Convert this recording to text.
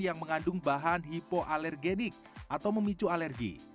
yang mengandung bahan hipoalergenik atau memicu alergi